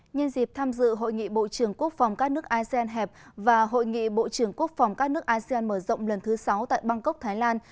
nhân dịp tham dự hội nghị bộ trưởng quốc phòng các nước asean hẹp và hội nghị bộ trưởng quốc phòng các nước asean mở rộng lần thứ sáu tại bangkok thái lan